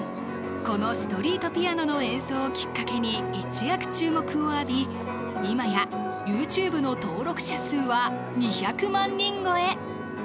このストリートピアノの演奏をきっかけに一躍注目を浴び今やＹｏｕＴｕｂｅの登録者数は２００万人超え！